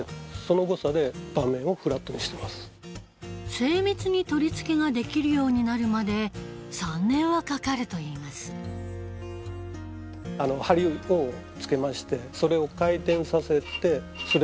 精密に取り付けができるようになるまで３年はかかるといいます